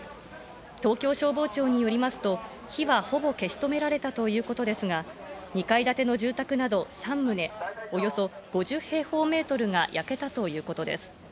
東京消防庁によりますと、火はほぼ消し止められたということですが、２階建ての住宅など３棟、およそ５０平方メートルが焼けたということです。